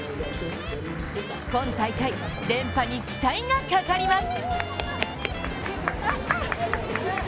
今大会、連覇に期待がかかります。